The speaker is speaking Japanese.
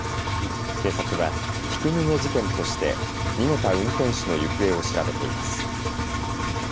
警察はひき逃げ事件として逃げた運転手の行方を調べています。